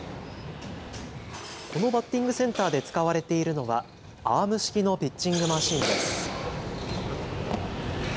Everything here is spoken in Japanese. このバッティングセンターで使われているのはアーム式のピッチングマシーンです。